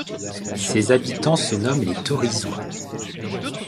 Ses habitants se nomment les Taurizois.